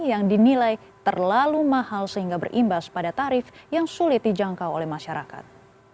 yang dinilai terlalu mahal sehingga berimbas pada tarif yang sulit dijangkau oleh masyarakat